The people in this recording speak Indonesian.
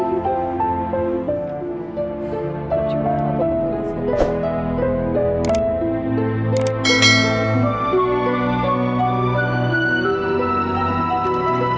kecil banget apa kebenaran saya